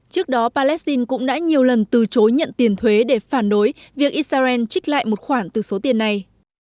trước đó palestine cũng đã nhiều lần từ chối nhận tiền thuế để phản đối việc israel trích lại một khoản từ số tiền này